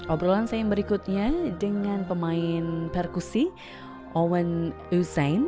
obrolan saya yang berikutnya dengan pemain perkusi owen hussein